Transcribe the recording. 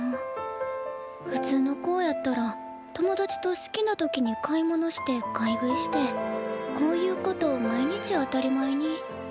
ふつうの子ぉやったら友達と好きな時に買い物して買い食いしてこうゆうことを毎日当たり前に。